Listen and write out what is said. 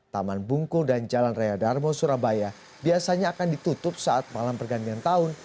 taman bungku dan jalan raya darmo surabaya biasanya akan ditutup saat malam pergantian tahun